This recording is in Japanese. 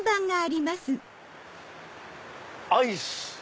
アイス！